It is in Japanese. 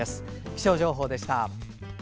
気象情報でした。